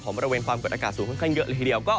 บริเวณความกดอากาศสูงค่อนข้างเยอะเลยทีเดียว